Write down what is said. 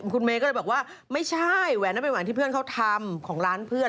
คุณเมย์ก็เลยบอกว่าไม่ใช่แหวนนั้นเป็นแหวนที่เพื่อนเขาทำของร้านเพื่อน